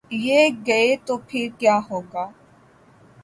یہ گئے تو پھر کیا ہو گا؟